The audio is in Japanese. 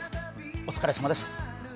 お疲れさまです。